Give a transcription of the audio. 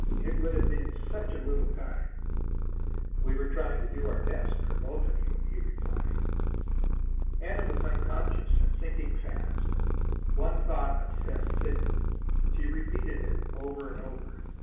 It would have been such a little time!" "We were trying to do our best for both of you," he replied. Anna was unconscious and sinking fast. One thought obsessed Sidney. She repeated it over and over.